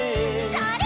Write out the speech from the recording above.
それ！